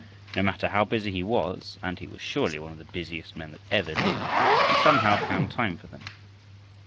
No matter how busy he was, and he was surely one of the busiest men that ever lived, he somehow found time for them.